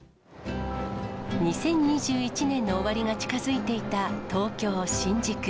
２０２１年の終わりが近づいていた東京・新宿。